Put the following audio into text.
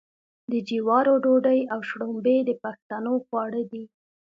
د جوارو ډوډۍ او شړومبې د پښتنو خواړه دي.